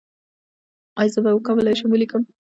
ایا زه به وکولی شم ولیکم؟